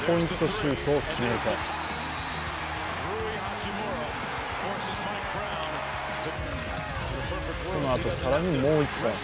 シュートを決めるとそのあと、更にもう１本。